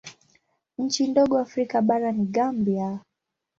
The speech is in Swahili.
Nchi ndogo Afrika bara ni Gambia.